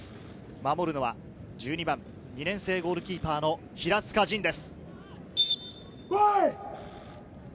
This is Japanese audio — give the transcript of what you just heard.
守るのは１２番、２年生ゴールキーパーの平塚仁です。